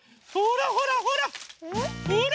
ほらほらほら！